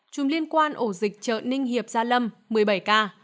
chùm liên quan ổ dịch chợ ninh hiệp gia lâm một mươi bảy ca